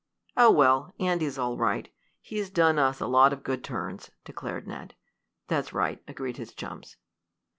"Oh well, Andy's all right. He's done us lots of good turns," declared Ned. "That's right," agreed his chums.